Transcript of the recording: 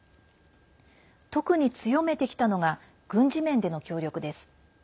特に強めてきたのが軍事面での協力です。